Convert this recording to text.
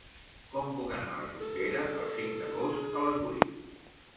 Com puc anar a la Jonquera el cinc d'agost a les vuit?